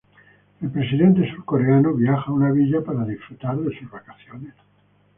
El presidente surcoreano viaja a una villa para disfrutar de sus vacaciones.